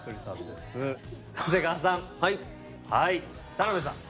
田辺さん。